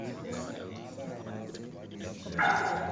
na mchakato huo unaweza kuchukua zaidi ya mwezi mmoja